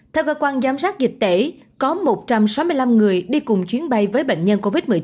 theo cơ quan giám sát dịch tễ có một trăm sáu mươi năm người đi cùng chuyến bay với bệnh nhân covid một mươi chín